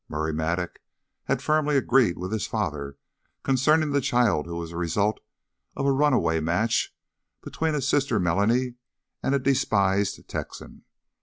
Murray Mattock had firmly agreed with his father concerning the child who was the result of a runaway match between his sister Melanie and a despised Texan.